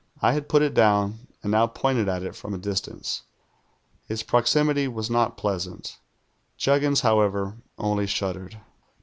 "I had ])ul it down, and now pointed at it from a distance. Its proximity was not i)leasant. Juggins, however, only shuddered.